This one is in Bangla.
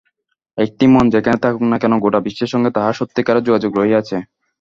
একটি মন যেখানেই থাকুক না কেন, গোটা বিশ্বের সঙ্গে তাহার সত্যিকারের যোগাযোগ রহিয়াছে।